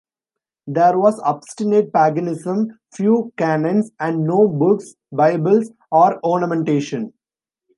There was obstinate paganism, few canons, and no books, bibles, or ornamentation.